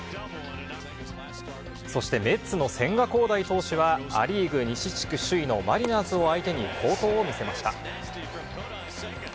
そしてメッツの千賀滉大投手は、ア・リーグ西地区首位のマリナーズを相手に好投を見せました。